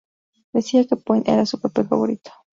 Decía que Point era su papel favorito.